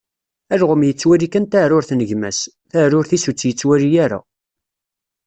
Alɣem yettwali kan taɛrurt n gma-s, taɛrurt-is ur tt-yettwali ara.